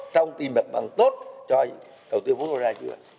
trong tìm mặt bằng tốt cho đầu tư vốn oda chưa